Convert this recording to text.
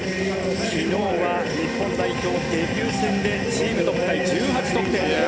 昨日は日本代表デビュー戦でチームトップタイ１８得点。